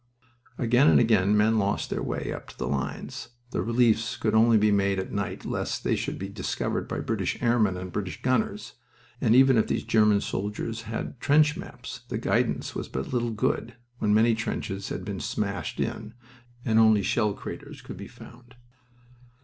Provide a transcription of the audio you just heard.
Again and again men lost their way up to the lines. The reliefs could only be made at night lest they should be discovered by British airmen and British gunners, and even if these German soldiers had trench maps the guidance was but little good when many trenches had been smashed in and only shell craters could be found.